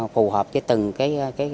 phù hợp với từng cái